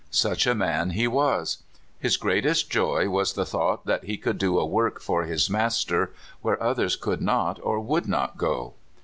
Such a man he was. His greatest joy was the thought that he could do a work for his Master where others could not or would not go.